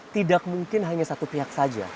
tidak mungkin hanya satu pihak saja